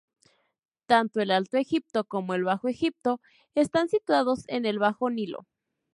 Tanto el Alto Egipto como el Bajo Egipto están situados en el Bajo Nilo.